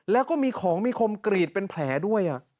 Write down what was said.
แล้วก็มีของมีคมกรีดเป็นแผลด้วย